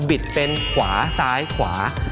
บิดเป็นขวาซ้ายขวา